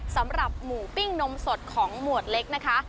สำหรับหมูปิ้งนมสดของหมวดเล็กนะคะ